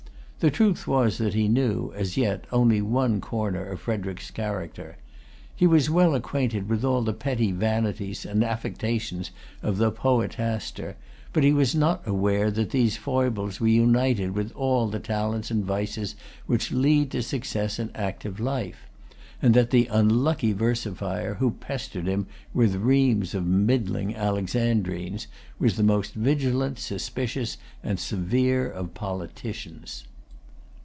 The truth was that he knew, as yet, only one corner of Frederic's character. He was well acquainted with all the petty vanities and affectations of the poetaster, but was not aware that these[Pg 268] foibles were united with all the talents and vices which lead to success in active life, and that the unlucky versifier who pestered him with reams of middling Alexandrines was the most vigilant, suspicious, and severe of politicians.